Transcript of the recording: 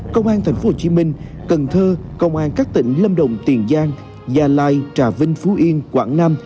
công an tp hcm cần thơ công an các tỉnh lâm đồng tiền giang gia lai trà vinh phú yên quảng nam